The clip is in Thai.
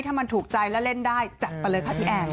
ถ้ามันถูกใจแล้วเล่นได้จัดไปเลยค่ะพี่แอน